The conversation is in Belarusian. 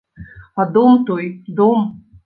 А дом той, дом!